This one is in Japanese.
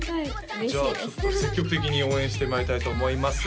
じゃあちょっと積極的に応援してまいりたいと思いますさあ